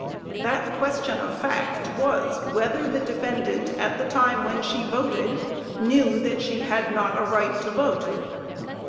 That question of fact was, whether the defendant, at the time when she voted, knew that she had not a right to vote.